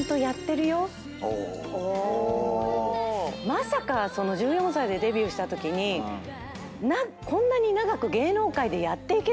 まさか１４歳でデビューしたときにこんなに長く芸能界でやっていけると思ってなかった。